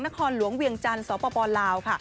นครหลวงเวียงจันทร์สปลาว